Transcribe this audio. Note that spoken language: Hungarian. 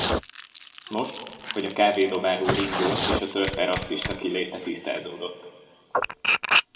Most, hogy a kávédobáló ringyó és a törpe rasszista kiléte tisztázódott.